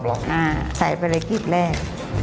เอ้าใส่ไปในกลีบแรก